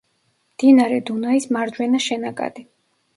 მდინარე დუნაის მარჯვენა შენაკადი.